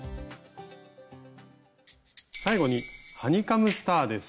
最後にハニカムスターです。